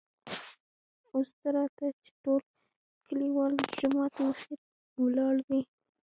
اوس ته راځه چې ټول کليوال دجومات مخکې ولاړ دي .